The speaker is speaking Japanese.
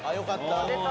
「出た！